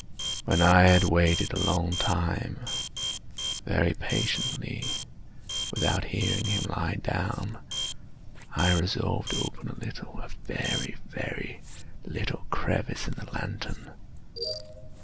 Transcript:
When I had waited a long time, very patiently, without hearing him lie down, I resolved to open a little—a very, very little crevice in the lantern.